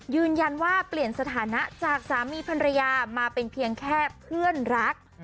ยืนยันว่าเปลี่ยนสถานะจากสามีภรรยามาเป็นเพียงแค่เพื่อนรัก